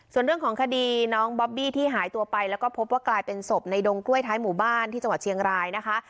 ส่วนเรื่องของคดีน้องบอบบี้ที่หายตัวไปแล้วก็พบว่ากลายเป็นศพในดงกล้วยท้ายหมู่บ้านที่จังหวัดเชียงรายนะคะ